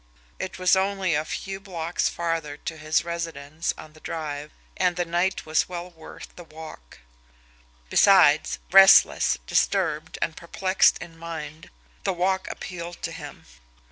It was only a few blocks farther to his residence on the Drive, and the night was well worth the walk; besides, restless, disturbed, and perplexed in mind, the walk appealed to him.